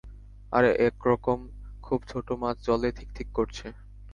আর এক রকম খুব ছোট মাছ জলে থিক থিক করছে।